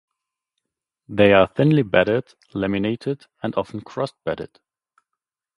They are thinly bedded, laminated and often cross-bedded.